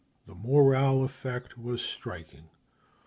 The moral effect was striking.